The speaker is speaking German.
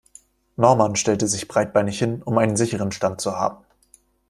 Norman stellte sich breitbeinig hin, um einen sicheren Stand zu haben.